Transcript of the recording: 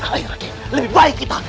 ayo raden lebih baik kita